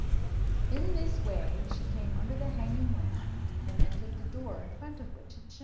In this way she came under the hanging lamp and entered the door in front of which it shone.